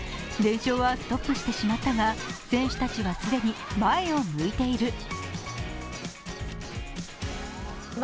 連勝はストップしてしまったが、選手たちは既に前を向いている。